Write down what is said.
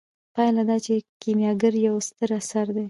پایله دا چې کیمیاګر یو ستر اثر دی.